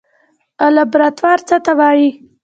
لابراتوار څه ته وایي؟